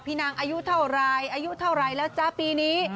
นางอายุเท่าไรอายุเท่าไหร่แล้วจ๊ะปีนี้